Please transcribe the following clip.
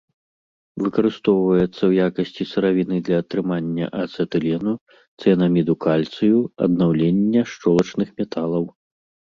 Выкарыстоўваецца ў якасці сыравіны для атрымання ацэтылену, цыянаміду кальцыю, аднаўлення шчолачных металаў.